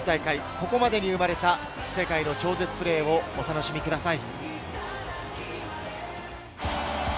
ここまでに生まれた世界の超絶プレーをお楽しみください。